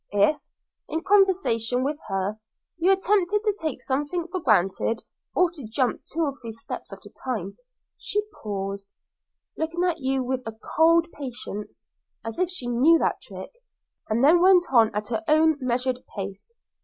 If, in conversation with her, you attempted to take anything for granted, or to jump two or three steps at a time, she paused, looking at you with a cold patience, as if she knew that trick, and then went on at her own measured pace.